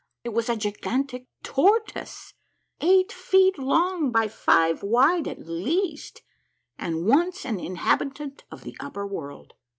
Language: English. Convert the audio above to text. It was a gigantic tortoise, eight feet long by five wide, at least, and once an in habitant of the upper world.